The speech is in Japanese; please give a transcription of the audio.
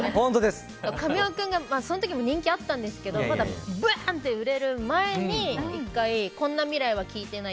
神尾君がその時も人気あったんですけどまだバンって売れる前に１回「こんな未来は聞いてない！！」